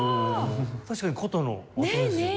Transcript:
確かに箏の音ですよね。